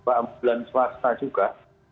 ambulan swasta juga